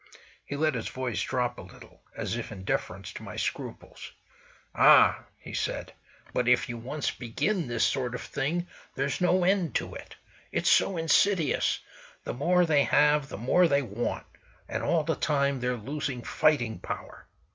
He let his voice drop a little, as if in deference to my scruples. "Ah!" he said; "but if you once begin this sort of thing, there's no end to it. It's so insidious. The more they have, the more they want; and all the time they're losing fighting power.